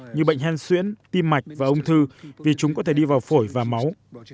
như bệnh hen xuyễn tim mạch và ung thư vì chúng có thể đi vào phổi và máu